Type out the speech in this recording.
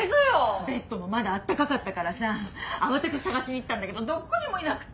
ベッドもまだ温かかったからさ慌てて捜しに行ったんだけどどこにもいなくて。